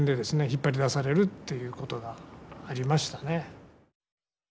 引っ張り出されるということがありましたね。